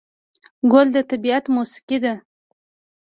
ګل د طبیعت موسیقي ده.